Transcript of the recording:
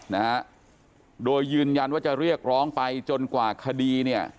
นะฮะโดยยืนยันว่าจะเรียกร้องไปจนกว่าคดีเนี่ย